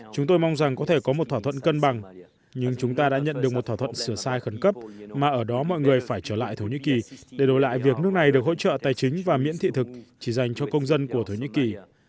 chúng tôi mong rằng có thể có một thỏa thuận cân bằng nhưng chúng ta đã nhận được một thỏa thuận sửa sai khẩn cấp mà ở đó mọi người phải trở lại thổ nhĩ kỳ để đổi lại việc nước này được hỗ trợ tài chính và miễn thị thực chỉ dành cho công dân của thổ nhĩ kỳ